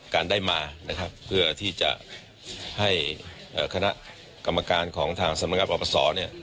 การได้มานะครับเพื่อที่จะให้คณะกรรมการของทางสำนักงานปรปศเนี่ย